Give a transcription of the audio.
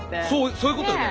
そういうことよね。